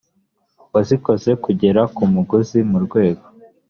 wazikoze kugera ku muguzi mu rwego